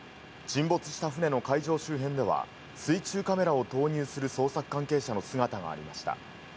沈没した船の海上周辺では、水中カメラを投入する捜索関係者の姿がありました。